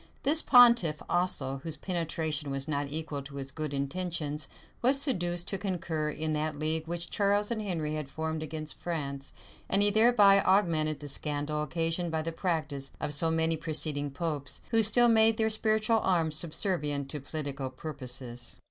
This pontiff also, whose penetration was not equal to his good intentions, was seduced to concur in that league which Charles and Henry had formed against France;[*] and he thereby augmented the scandal occasioned by the practice of so many preceding popes, who still made their spiritual arms subservient to political purposes.